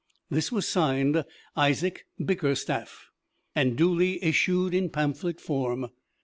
This was signed, "Isaac Bickerstaff," and duly issued in pamphlet form.